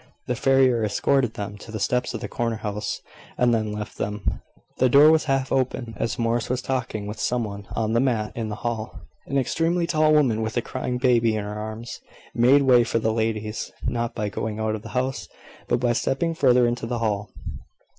The farrier escorted them to the steps of the corner house, and then left them. The door was half open, as Morris was talking with some one on the mat in the hall. An extremely tall woman, with a crying baby in her arms, made way for the ladies, not by going out of the house, but by stepping further into the hall.